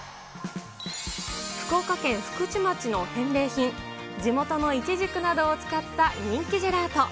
福岡県福智町の返礼品、地元のイチジクなどを使った人気ジェラート。